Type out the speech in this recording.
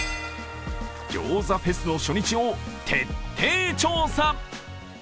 餃子フェスの初日を徹底調査。